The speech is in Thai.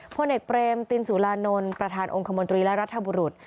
พลเอกเปรมตินสุรานนท์ประธานองค์คมนตรีและรัฐบุรุษ